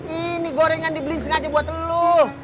ini gorengan dibeli sengaja buat lo